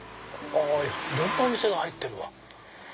いろんなお店が入ってるわ。